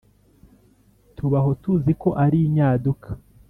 tuba aho tuzi ko ari inyaduka